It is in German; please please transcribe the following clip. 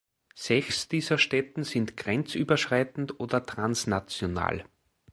Sechs dieser Stätten sind grenzüberschreitend oder transnational.